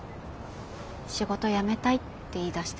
仕事辞めたいって言いだして。